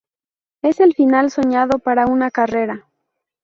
Es el final soñado para una carrera.